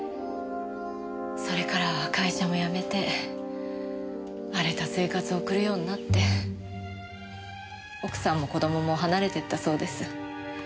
それからは会社も辞めて荒れた生活を送るようになって奥さんも子供も離れていったそうです。